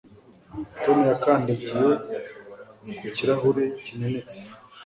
Tom yakandagiye ku kirahure kimenetse